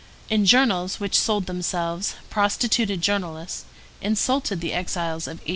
In journals which sold themselves, prostituted journalists, insulted the exiles of 1815.